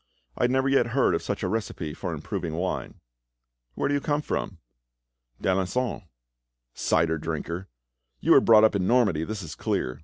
I never yet heard of such a recipe for improving wine." "Where do you come from?" "D'Alencon." "Cider drinker! You were brought up in Normandy, that is clear.